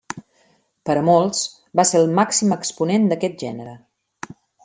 Per a molts va ser el màxim exponent d'aquest gènere.